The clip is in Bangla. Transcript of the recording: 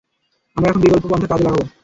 আমরা এখন বিকল্প পন্থা কাজে লাগাব।